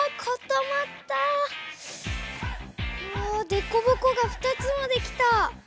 でこぼこが２つもできた。